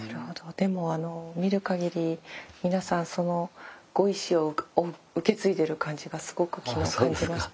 でも見るかぎり皆さんそのご意思を受け継いでる感じがすごく昨日感じました。